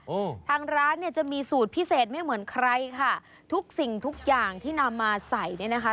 อืมทางร้านเนี่ยจะมีสูตรพิเศษไม่เหมือนใครค่ะทุกสิ่งทุกอย่างที่นำมาใส่เนี่ยนะคะ